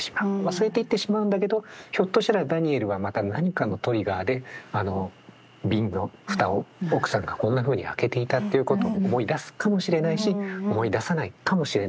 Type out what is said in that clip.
忘れていってしまうんだけどひょっとしたらダニエルはまた何かのトリガーであの瓶の蓋を奥さんがこんなふうに開けていたっていうことを思い出すかもしれないし思い出さないかもしれないでも。